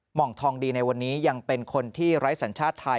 หมองทองดีในวันนี้ยังเป็นคนที่ไร้สัญชาติไทย